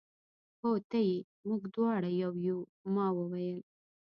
هو ته یې، موږ دواړه یو، یو. ما وویل.